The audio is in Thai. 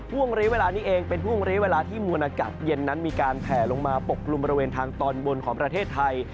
ห่วงเรียกเวลานี้เองเป็นห่วงเรียกเวลาที่มวลอากาศเย็นนั้นมีการแผลลงมาปกกลุ่มบริเวณทางตอนบนของประเทศไทย